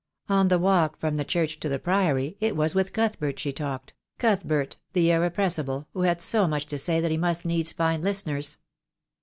On the walk from the church to the Priory it was with Cuthbert she talked — Cuthbert the irrepressible, who had so much to say that he must needs find listeners.